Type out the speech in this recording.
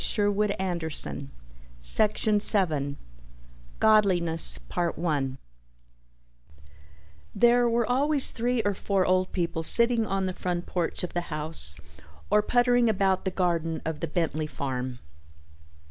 GODLINESS A TALE IN FOUR PARTS PART ONE There were always three or four old people sitting on the front porch of the house or puttering about the garden of the Bentley farm.